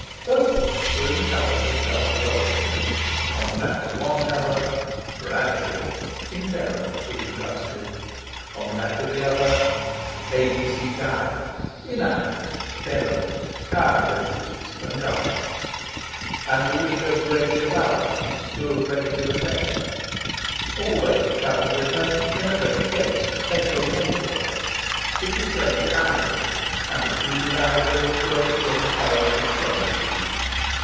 Both books were in covers of dull gold. On the back of one cover BRADSHAW, in beryls, was encrusted; on the back of the other, A.B.C. GUIDE, in amethysts, beryls, chrysoprases, and garnets. And Zuleika's great cheval glass stood ready to reflect her. Always it travelled with her, in a great case specially made for it. It was framed in ivory, and of fluted ivory were the slim columns it swung between.